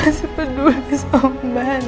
nino masih peduli sama ban